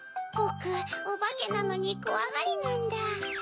ぼくオバケなのにこわがりなんだ。